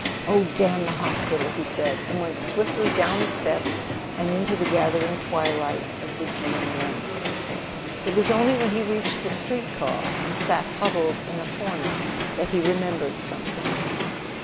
"Oh, damn the hospital!" he said and went swiftly down the steps and into the gathering twilight of the June night. It was only when he reached the street car, and sat huddled in a corner, that he remembered something.